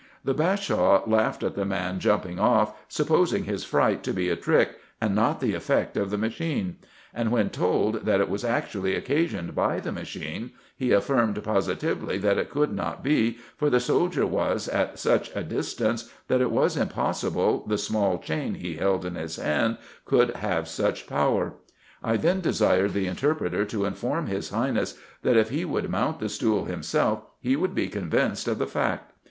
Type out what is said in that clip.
The Bashaw laughed at the man's jumping off, supposing his fright to be a trick, and not the effect of the machine ; and when told, that it was actually occasioned by the machine, he affirmed positively that it could not be, for the soldier was at such a distance, that it was impossible the small chain he held in his hand could have such power. I then desired the interpreter to inform his Highness, that if he would mount the stool himself, he would be convinced 16 RESEARCHES AND OPERATIONS of the fact.